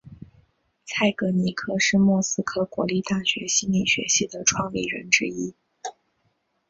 蔡格尼克是莫斯科国立大学心理学系的创立人之一。